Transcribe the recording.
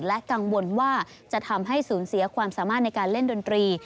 และกังวลว่าจะทำให้สูญเสียความสามารถในการเล่นดนตรี